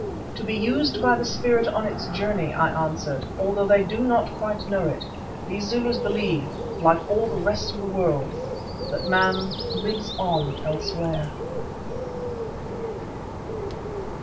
"To be used by the spirit on its journey," I answered. "Although they do not quite know it, these Zulus believe, like all the rest of the world, that man lives on elsewhere."